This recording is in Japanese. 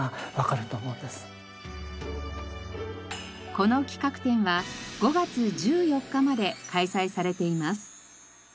この企画展は５月１４日まで開催されています。